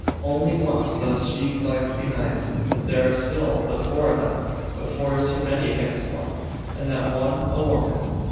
Only once does she glance behind. There are still but four of them; but four is too many against one and that one a woman!